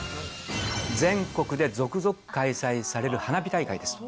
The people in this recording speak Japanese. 全国で続々開催される花火大会です。